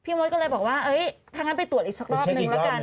พี่มดก็เลยบอกว่าถ้าอย่างไรไปตรวจอีกสักรอบนึงละกัน